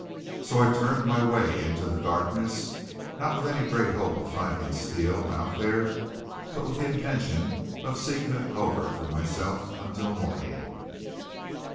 So I turned my way into the darkness, not with any great hope of finding Steele out there, but with the intention of seeking a covert for myself until morning.